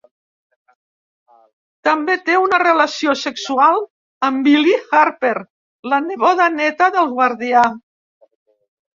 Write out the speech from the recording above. També té una relació sexual amb Billi Harper, la neboda-néta del Guardià.